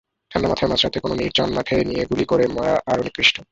ঠান্ডা মাথায় মাঝরাতে কোনো নির্জন মাঠে নিয়ে গুলি করে মারা আরও নিকৃষ্ট।